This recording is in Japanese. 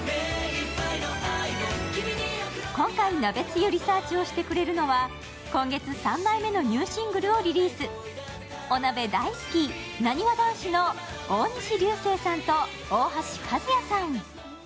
今回、鍋つゆリサーチをしてくれるのは、今月、３枚目のニューシングルをリリース、お鍋大好きなにわ男子の大西流星さんと大橋和也さん。